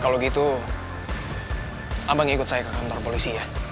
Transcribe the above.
kalau gitu abang ikut saya ke kantor polisi ya